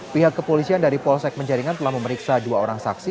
pihak kepolisian dari polsek penjaringan telah memeriksa dua orang saksi